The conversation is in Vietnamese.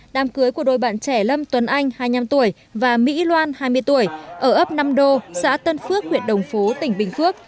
đám cưới của đôi bạn trẻ lâm tuấn anh hai mươi năm tuổi và mỹ loan hai mươi tuổi ở ấp nam đô xã tân phước huyện đồng phú tỉnh bình phước